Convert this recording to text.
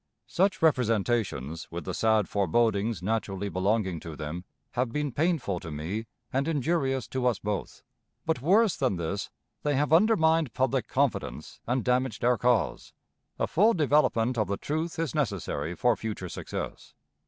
"Such representations, with the sad forebodings naturally belonging to them, have been painful to me, and injurious to us both; but, worse than this, they have undermined public confidence and damaged our cause. A full development of the truth is necessary for future success.